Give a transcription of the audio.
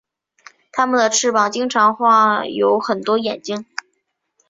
他们的翅膀经常画有很多眼睛。